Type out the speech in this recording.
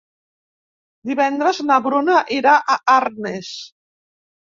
Divendres na Bruna irà a Arnes.